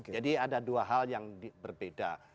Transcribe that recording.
jadi ada dua hal yang berbeda